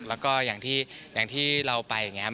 แล้วก็อย่างที่เราไปอย่างนี้ครับ